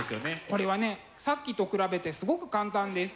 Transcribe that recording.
これはねさっきと比べてすごく簡単です。